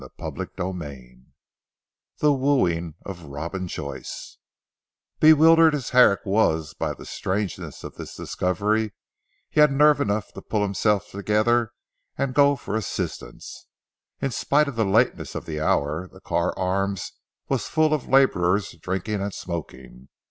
CHAPTER XIII THE WOOING OF ROBIN JOYCE Bewildered as Herrick was by the strangeness of this discovery, he had nerve enough to pull himself together and go for assistance. In spite of the lateness of the hour, the Carr Arms was full of labourers drinking and smoking.